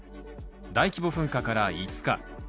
大規模噴火から５日。